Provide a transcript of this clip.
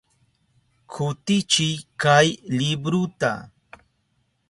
Kutichiy kay libruta.